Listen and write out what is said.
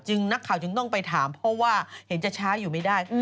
นักข่าวจึงต้องไปถามเพราะว่าเห็นจะช้าอยู่ไม่ได้